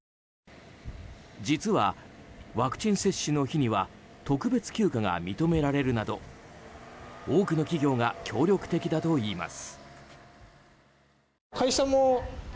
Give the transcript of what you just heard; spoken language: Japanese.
実は、ワクチン接種の日には特別休暇が認められるなど多くの企業が協力的だといいます。